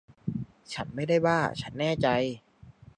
ฉันไม่ได้บ้า ฉันแน่ใจ